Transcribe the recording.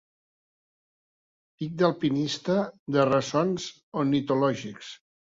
Pic d'alpinista de ressons ornitològics.